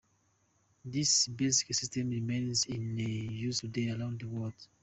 This basic system remains in use today around the world.